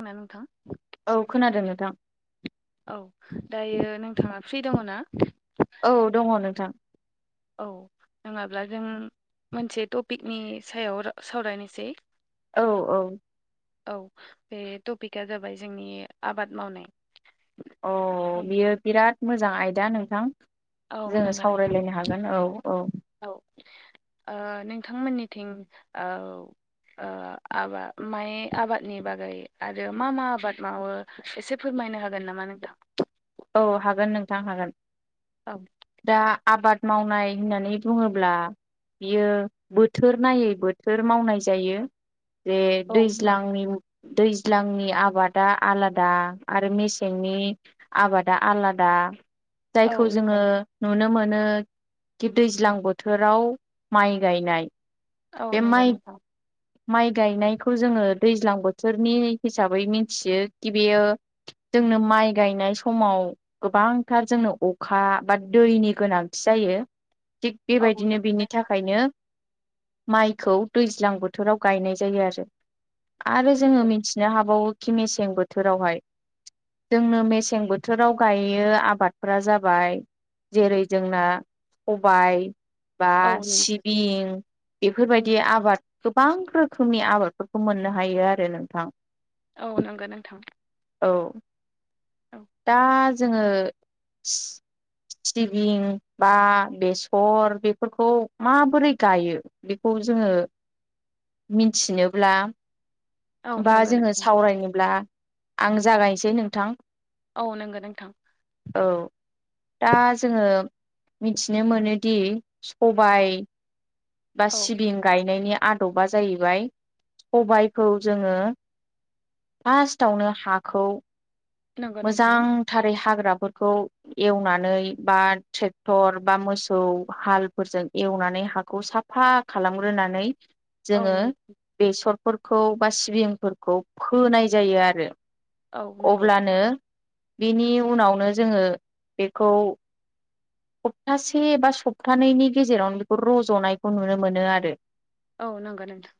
खोनादों ना नोंथां औ खोनादों नोंथां औ दायो नों थाङा फ्रि दङ ना? औ दङ नोंथां औ नङाब्ला जों मोनसे टपिकनि सायाव सावरायनोसै औ औ औ बे टपिकआ जाबाय जोंनि आबाद मावनाय अ' औ बियो बिराद मोजां आयदा नोंथां औ जोङो नंगौ नोंथां सावरायलायनो हागोन औ औ औ ओ नोंथांमोननिथिं ओ ओ आबाद माइ आबादनि बागै आरो मा मा आबाद मावो एसे फोरम मायनो हागोन नामा नोंथां? औ हागोन नोंथां हागोन औ दा आबाद मावनाय होननानै बुङोब्ला बियो बोथोर नायै बोथोर मावनाय जायो। जे औ नों दैज्लांनि दैज्लांनि आबादा आलादा आरो मेसेंनि आबादा आलादा औ जायखौ जोङो नंगौ नुनो मो नो खि दैज्लां बोथोराव माइ गायनाय औ बे नंगौ माइ नोंथां माइ गायनायखौ जोङो दैज्लां बोथोरनि हिसाबै मिथियो कि बेयो जों नों माय गानाय समाव गोबांथार जोंनो अखा बा दैनि गोनांथि जायो। थिग औ बेबायदिनो नंगौ बिनि थाखायनो माइखौ दैज्लां बोथोराव गायनाय जायो आरो आरो जोङो मिथिनो हाबावोखि मेसें बोथोरावहाय जोंनो मेसें बोथोर बोथोराव गायो आबादफोरा जाबाय जेरै जोंना सबाइ बा औ नंगौ सिबिं नंगौ बेफोरबायदि नों- आबाद गोबां रोखोमनि आबादफोरखौ मोननो हायो आरो नोंथां औ नंगौ नोंथां औ औ दा जोङो सिबिं बा बेसर बेफोरखौ माबोरै गायो बेखौ जोङो मिथिनोब्ला औ बा नंगौ जोङो नोंथां सावरायनोब्ला आं जागायनोसै नोंथां औ नोंगौ नोंथां औ दा जोङो मिथिनो मोनोदि सबाय बा औ सिबिं गायनायनि आदबा जाहैबाय सबायखौ जोङो फार्स्टावनो हाखौ नंगौ नोंथां मोजांथारै हाग्रा फोरखौ एवनानै बा ट्रेक्टर बा मोसौ हालफोरजों एवनानै हाखौ साफा खालामग्रोनानै औ जोङो नों बेसरफोरखौ बा सिबिंफोरखौ फोनाय जायो आरो औ नंगौ अब्लानो बेनि उनावनो जोङो बेखौ सप्तासे बा सप्तानैनि गेजेरावनो बेखौ रज'नायखौ नुनो मोनो आरो औ नंगौ नोंथां।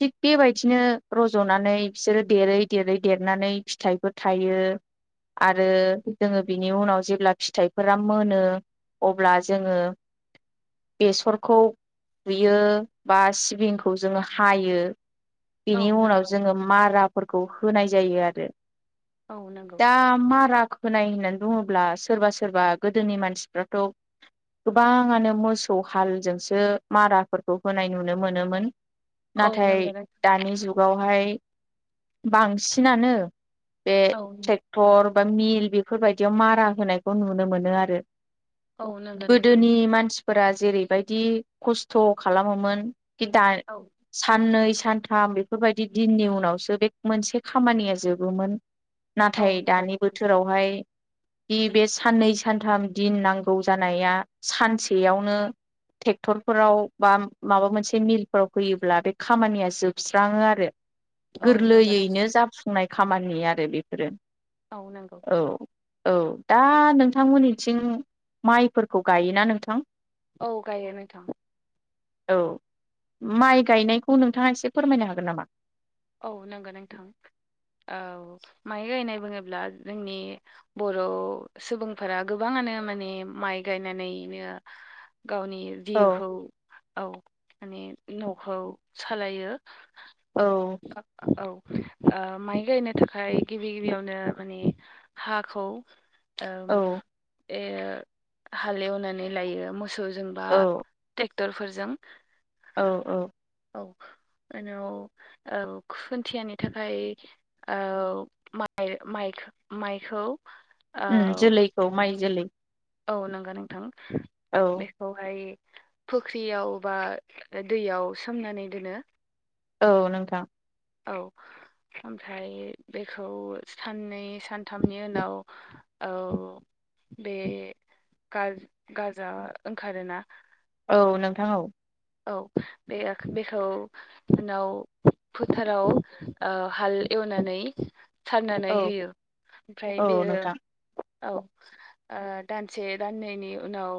थिग बेबायदिनो रज'नानै बिसोरो देरै देरै देरनानै फिथाइफोर थायो। आरो जोङो बिनि उनाव जेब्ला फिथाइफोरा मोनो अब्ला जोङो बेसरखौ फुयो बा सिबिंखौ जोङो हायो। औ बेनि नंगौ उनाव जोङो माराफोरखौ होनाय जायो आरो औ नंगौ दा मारा खोनाय होननानै बुङोब्ला सोरबा सोरबा गोदोनि मानसिफ्राथ' गोबाङानो मोसौ हालजोंसो माराफोरखौ होनाय नुनो मोनोमोन औ नाथाय नंगौ नोंथां दानि जुगावहाय बांसिनानो बे औ ट्रेक्टर बा मिल बेफोरबायदियाव मारा होनायखौ नुनो मोनो आरो औ नंगौ नोंथां फोरा जेरैबायदि खस्थ' खालामोमोनि दा औ साननै सानथाम बेफोरबायदि दिननि उनावसो बे मोनसे खामानिया जोबोमोन। औ नाथाय नंगौ दानि बोथोरावहाय दि बे साननै सानथाम दिन नांगौ जानाया सानसेयावनो ट्रेक्टरफोराव बा माबा मोनसे मिलफोराव फैयोब्ला बे खामानिया जोबस्राङो आरो औ नंगौ नोंथां गोरलैयैनो जाफुंनाय खामानि आरो बेफोरो औ नंगौ औ। औ दा नोंथांमोननिथिं माइफोरखौ गायोना नोंथां? औ गायो नोंथां औ माइ गायनायखौ नोंथाङा एसे फोरमायनो हागोन नामा? औ नंगौ नोंथां औ माइ गायनाय बुङोब्ला जोंनि बर' सुबुंफोरा गोबाङानो नो माने माइ गायनानैनो गावनि औ जिउखौ औ माने न'खौ सालायो औ औ ओ माइ गायनो थाखाय गिबि गिबियावनो माने हाखौ औ हालेवनानै लायो मोस सौ बा टेक्टरफोरजों औ औ औ उनाव ओ खुन्थियानि थाखाय माइ माइ माइखौ औ ओम जोलैखौ माइ जोलै औ नंगौ नोंथां औ बेखौहाय फुख्रियाव बा दैयाव सोमनानै दोनो औ नोंथां औ ओमफ्राय बेखौ साननै सानथामनि उनाव औ बे गाजा ओंखारोना औ नोंथां औ औ बे बेखौ उनाव फोथाराव ओ हाल एवनानै सारनानै औ होयो ओमफ्राय औ बेयो नोंथां औ ओ दानसे दाननैनि उनाव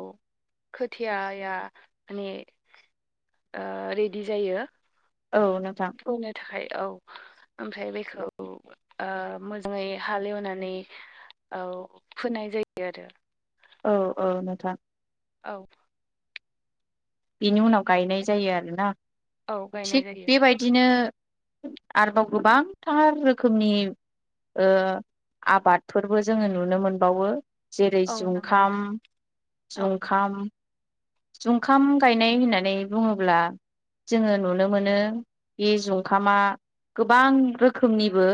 खोथियाया माने ओ रेडि जायो। औ नोंथां। फोनो थाखाय औ ओमफ्राय बेखौ ओ मोजाङै हालेवनानै औ फोनाय जायो आरो। औ औ नोंथां। औ। बेनि उनाव गायनाय जायो आरोना। औ गायनाय थिग जायो बेबायदिनो आरबाव गोबांथार रोखोमनि ओ आबादफोरबो जोङो नुनो मोनबावो। जेरै औ नंगौ जुंखाम नोंथां औ जुंखाम जुंखाम गायनाय होननानै बुङोब्ला जोङो नुनो मोनो बे जुंखामा गोबां रोखोमनिबो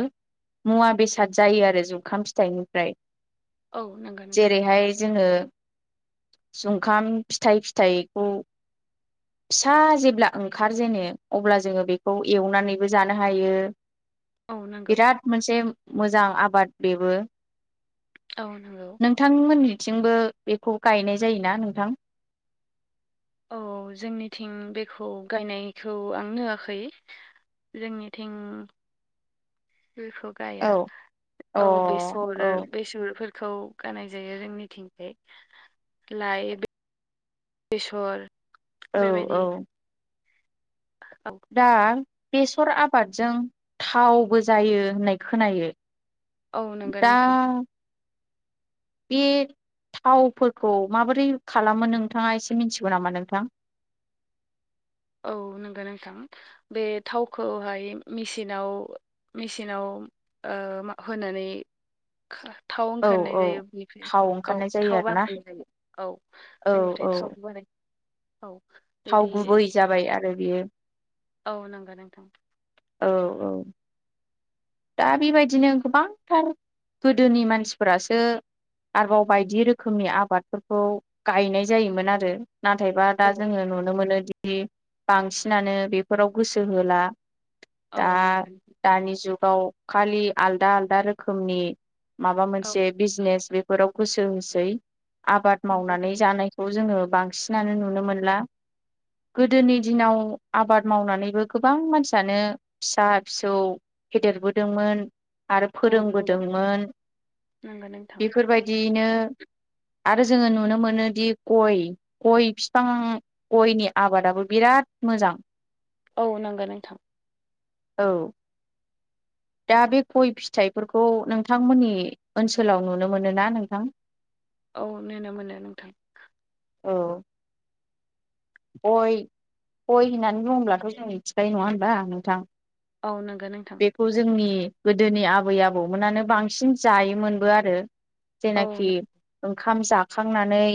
मुवा बेसाद जायो आरो जुखाम फिथाइनिफ्राय औ नंगौ नोंथां जेरैहाय जोङो जुंखाम फिथाइ फिथाइखौ फिसा जेब्ला ओंखार जेनो अब्ला जोङो बेखौ एवनानैबो जानो हायो औ नंगौ बिराद मोनसे मोजां आबाद बेबो। औ नंगौ नोंथांमोननि थिंबो बेखौ गायनाय जायोना नोंथां? औ जोंनिथिं बेखौ गायनायखौ आं नुवाखै। जोंनिथिं बेखौ गाया औ अ औ बेसर औ बेसरफोर खौ गाननाय जायो जोंनिथिंजाय। लाइ बेसर औ बेबायदि औ। औ दा बेसर आबादजों थावबो जायो होननाय खोनायो औ नंगौ दा नोंथां। बे थावफोरखौ माबोरै खालामो नोंथाङा एसे मिथिगौ नामा नोंथां औ नंगौ नोंथां। बे थावखौहाय मेसिनाव मेसिनाव ओ होनानै खा थाव औ ओंखारनाय औ जायो बेनिफ्राय थाव औ ओंखारनाय जायो थाव आरोना बानायनाय जायो औ औ बेनिफ्राय औ थाव बानाय औ। थाव बिदि गुबै जाबाय आरो बियो। औ नोंगौ नोंथां। औ औ। दा बेबायदिनो गोबांथार गोदोनि मानसिफोरासो आरबाव बायदि रोखोमनि आबादफोरखौ गायनाय जायोमोन आरो। नाथायबा दा औ जोङो नुनो मोनोदि बांसिनानो बेफोराव गोसो होला औ नोंगौ। औ खालि आलदा आदा रोखोमनि माबा औ मोनसे बिजनेस बे फोराव गोसो होसै आबाद मावनानै जानायखौ जोङो बांसिनानो नुनो मोनला गोदोनि दिनाव आबाद मावनानैबो गोबां मानसियानो फिसा फिसौ फेदेरबोदोंमोन आरो औ बुंगोन फोरोंबोदोंमोन नंगौ नोंथां बेफोरबायदि दिनो आरो जोङो नुनो मोनोदि गय, गय फिफां गयनि आबादाबो बिराद राद मोजां। औ नांगोन नोंथां। औ। दा बे गय फिथाइफोरखौ नोंथांमोननि ओनसोलाव नुनो मोनो ना नोंथां? औ नुनो मोनो नोंथां। औ। गय गय होननानै बुङोब्लाथ जों मिथिखायो नङा होनबा नोंथां? औ नंगौ नोंथां बेखौ जोंनि गोदोनि आबै आबौमोनानो बांसिन जायोमोनबो आरो औ जेनाखि ओंखाम जाखांनानै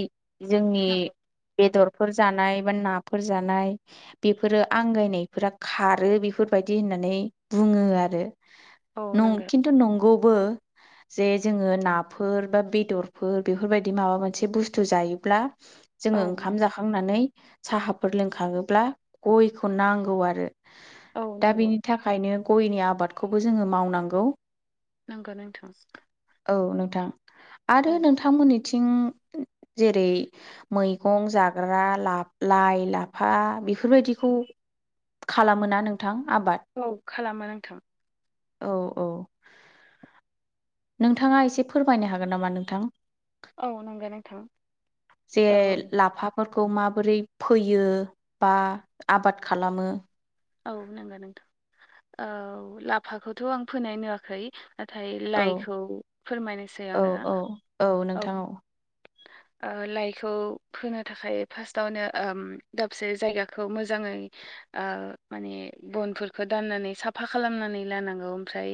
जोंनि नांगौ बेदरफोर जानाय नाफोर जानाय बेफोरो आगायनायफोरा खारो बिफोरबायदि होननानै बु ङो आरो औ नं नांगौ खिन्थु नंगौबो। जे जोङो नाफोर बा बेदरफोर बेफोरबायदि माबा मोनसे बुस्थु जायोब्ला औ जोङो ओंखाम जाखांनानै साहाफोर लोंखाङोब्ला गयखौ नांगौ आरो। औ दा नांगौ बिनि थाखायनो गयनि आबादखौबो जोङो मावनांगौ। नोंगो नोंथां। औ नोंथां आरो औ नोंथांमोननि थिं जेरै मैगं जाग्रा ला लाइ, लाफा बेफोरबायदिखौ खालामोना नोंथां आबाद? औ खालामो नांथों। औ औ नोंथाङा एसे फोरमायनो हागोन नामा नोंथां? औ नोंगो नोंथां औ। फोरखौ माबोरै फोयो बा आबाद खालामो? औ नंगौ नोंथां औ लाफाखौथ' आं फोनाय नुवाखै नाथाय औ लाइखौ फोरमायनोसै औ आंओ औ औ ओ लाइखौ फोनो थाखाय फार्स्टआवनो ओम दाबसे जायगाखौ मोजाङै ओ माने बनफोरखौ दाननानै साफा खालामनानै लानांगौ ओमफ्राय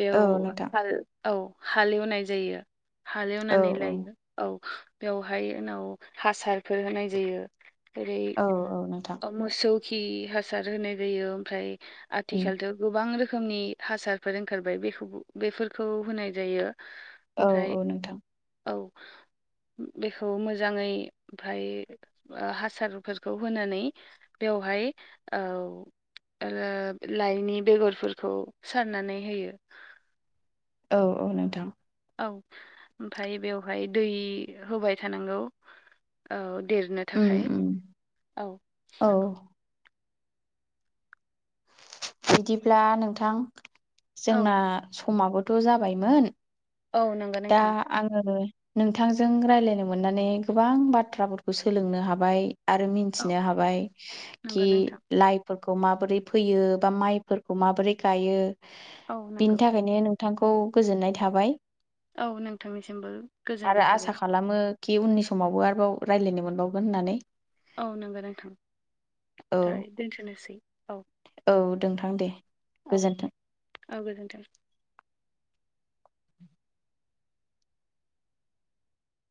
बेव औ नोंथां हाल औ हालेवनाय जायो। औ हालेवनानै लायो औ। बेवहाय उनाव हासारफोर होनाय जायो। ओेरै औ औ नोंथां ओ मोसौ खि हासार होनाय जायो ओमफ्राय उम आथिखालथ' गोबां रोखोमनि हासारफोर ओंखारबाय बेखौ बेफोरखौ होनाय जायो। औ ओमफ्राय औ नोंथां। औ। बेखौ मोजाङै ओमफाय ओ हासारफोरखौ होनानै बेव हाय औ ओ लाइनि बेगरफोरखौ सारनानै होयो‌। औ औ नोंथां। औ ओमफाय बेवहाय दै होबाय थानांगौ। औ देरनो उम थाखाय उम औ औ नोंगौ। बिदिब्ला नोंथां औ जोंना समाबोथ' जाबायमोन। औ नंगौ दा नोंथां आङो नोंथांजों रायलायनो मोननानै गोबां बाथ्राफोरखौ सोलोंनो हाबाय। आरो औ मिन्थिनो हाबाय खि नंगौ नोंथां लाइफोरखौ माबोरै फैयो बा माइफोरखौ माबोरै गायो औ बिनि नंगौ थाखायनो नोंथांखौ गोजोननाय थाबाय‌। औ नोंथांनिसिमबो आरो गोजोननाय आसा थाबाय। खालामो खि उननि समावबो आरोबाव रायलायनो मोनबावगोन होननानै औ नोंगो नोंथां औ दाय दोनथ'नोसै औ। औ नोंथां दे औ दे गोजोन्थों। औ गोजोनथों। [inaudible]